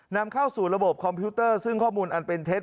นำเข้าสู่ระบบคอมพิวเตอร์ซึ่งข้อมูลอันเป็นเท็จ